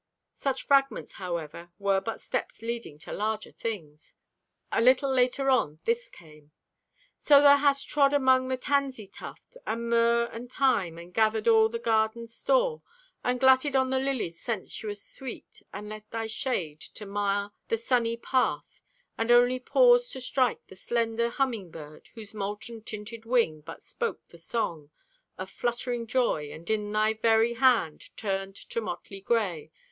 Such fragments, however, were but steps leading to larger things. A little later on this came: So thou hast trod among the tansey tuft And murr and thyme, and gathered all the garden's store, And glutted on the lillie's sensuous sweet, And let thy shade to mar the sunny path, And only paused to strike the slender humming bird, Whose molten tinted wing but spoke the song Of fluttering joy, and in thy very hand Turned to motley gray.